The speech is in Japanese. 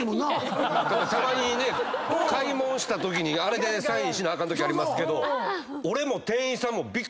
たまに買いもんしたときにあれでサインしなあかんときありますけど。